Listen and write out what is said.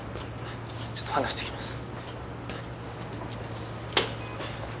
ちょっと話してきます。